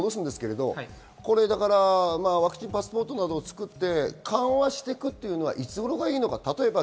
ワクチンパスポートなどを作って緩和していくというのはいつ頃がいいんですか？